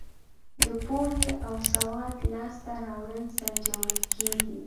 د پوهې او سواد لاس ته راوړل سنجول کیږي.